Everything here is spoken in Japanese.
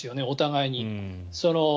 お互いに。